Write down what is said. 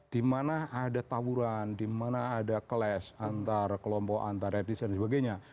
di mana ada tawuran di mana ada clash antara kelompok antar antar sebagainya